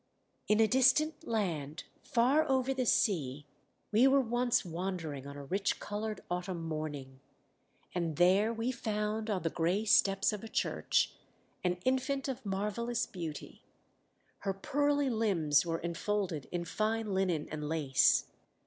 "In a distant land far over the sea we were once wandering on a rich coloured autumn morning, and there we found, on the grey steps of a church, an infant of marvellous beauty. Her pearly limbs were enfolded in fine linen and lace.